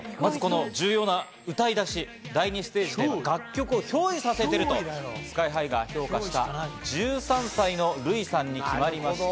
重要な歌い出し、第２ステージで楽曲を憑依させているとＳＫＹ−ＨＩが評価した１３歳のルイさんに決まりました。